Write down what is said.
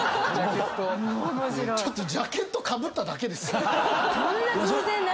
ジャケットかぶっただけですよ。